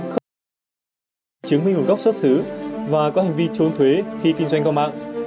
khẩu trứng minh của góc xuất xứ và có hành vi trốn thuế khi kinh doanh qua mạng